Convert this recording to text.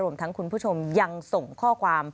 ทั้งคุณผู้ชมยังส่งข้อความ